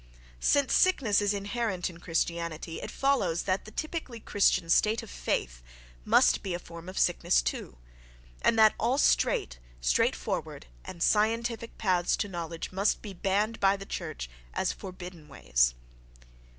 Since sickness is inherent in Christianity, it follows that the typically Christian state of "faith" must be a form of sickness too, and that all straight, straightforward and scientific paths to knowledge must be banned by the church as forbidden ways.